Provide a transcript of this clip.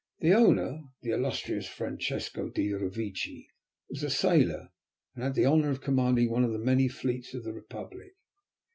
The owner, the illustrious Francesco del Revecce, was a sailor, and had the honour of commanding one of the many fleets of the Republic.